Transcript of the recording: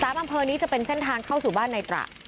อำเภอนี้จะเป็นเส้นทางเข้าสู่บ้านในตระ